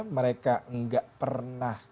mereka tidak pernah